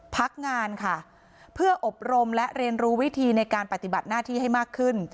พักงานค่ะเพื่ออบรมและเรียนรู้วิธีในการปฏิบัติหน้าที่ให้มากขึ้น